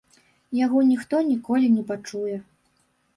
Яго ніхто ніколі не пачуе.